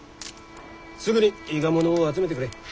すぐに伊賀者を集めてくれ。